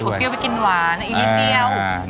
อุ้ยอุ๊ยเปรี้ยวไปกินหวานอีกนิดเดียว